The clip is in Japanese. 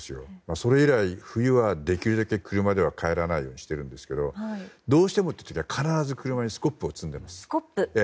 それ以来、冬はできるだけ車では帰らないようにしていますがどうしてもというときは必ず車にスコップを積んでいます。